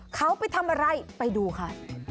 เขาไปทำอะไรไปดูค่ะ